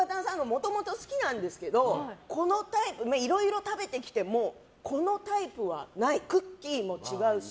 もともと好きなんですけどいろいろ食べてきてもこのタイプはない。